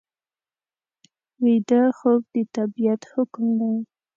ویده خوب د طبیعت حکم دی